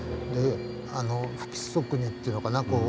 不規則にって言うのかな